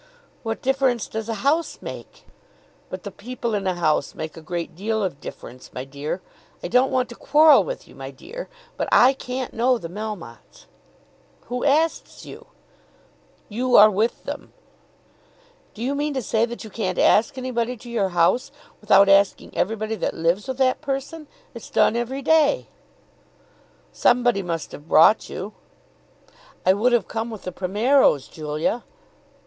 "What difference does a house make?" "But the people in a house make a great deal of difference, my dear. I don't want to quarrel with you, my dear; but I can't know the Melmottes." "Who asks you?" "You are with them." "Do you mean to say that you can't ask anybody to your house without asking everybody that lives with that person? It's done every day." "Somebody must have brought you." "I would have come with the Primeros, Julia."